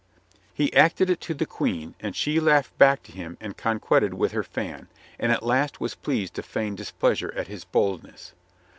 He acted it to the Queen, and she laughed back to him and conquetted with her fan, and at last was pleased to feign displeasure at his boldness.